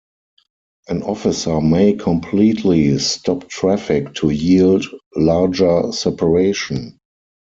An officer may completely stop traffic to yield larger separation.